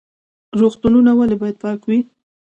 روغتونونه ولې باید پاک وي؟